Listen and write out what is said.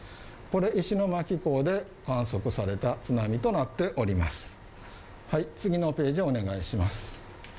これ、石巻港で観測された津波となっております。